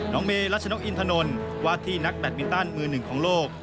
น้องเมลัชนกอินธนณ์วาทีนักแบทมิตรันมือหนึ่งของโลก